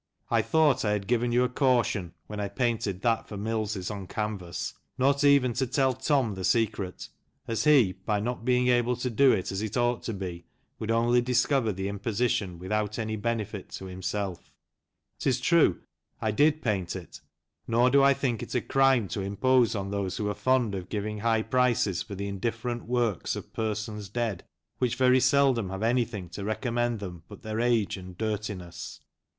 I thought I had given you a caution (when I painted that for Mills's on canvas) not even to tell Tom the secret, as he, by not being able to do it as it ought to be, would only discover the imposition, without any benefit to himself ; 'tis true I did paint it, nor do I think it a crime to impose on those who are fond of giving high prices for the indifferent works of persons dead, which very seldom have anything to recommend them but their age and dirtiness."